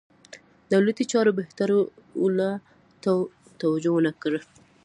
دولتي چارو بهترولو ته توجه ونه کړه.